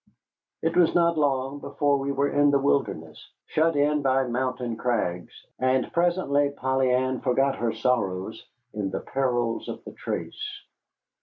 It was not long before we were in the wilderness, shut in by mountain crags, and presently Polly Ann forgot her sorrows in the perils of the trace.